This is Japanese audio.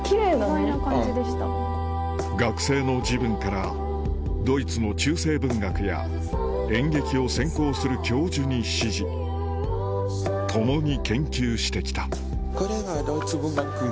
学生の時分からドイツの中世文学や演劇を専攻する教授に師事共に研究してきたあっ